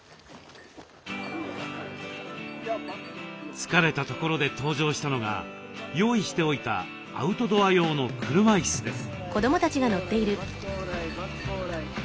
疲れたところで登場したのが用意しておいたアウトドア用の車いすです。